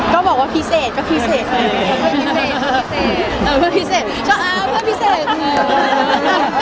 ก็ตอบอะไรอีกอะ